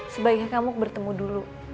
sebaiknya kamu bertemu dulu